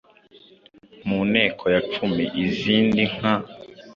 Mu nteko ya cumi: Izindi nka